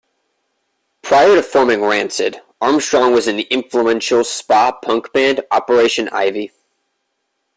Prior to forming Rancid, Armstrong was in the influential ska punk band Operation Ivy.